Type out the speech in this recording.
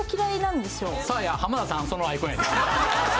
サーヤ浜田さんそのアイコンやで。